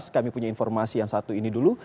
kami punya informasi yang satu ini dulu